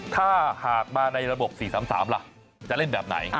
ถ้าหากมาในระบบ๔๓๓ล่ะจะเล่นแบบไหน